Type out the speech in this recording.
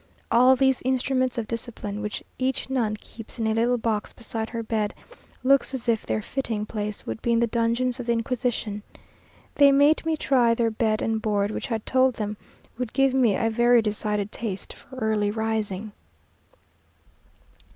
All these instruments of discipline, which each nun keeps in a little box beside her bed, look as if their fitting place would be in the dungeons of the Inquisition. They made me try their bed and board, which I told them would give me a very decided taste for early rising.